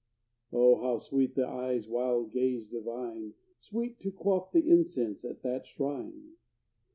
Oh, how sweet the eye's wild gaze divine Sweet to quaff the incense at that shrine!